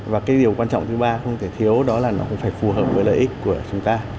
và cái điều quan trọng thứ ba không thể thiếu đó là nó cũng phải phù hợp với lợi ích của chúng ta